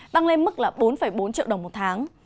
tăng lên mức bốn bốn triệu đồng một tháng